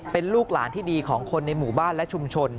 เป็นลูกหลานที่ดีของคนในหมู่บ้านและชุมชน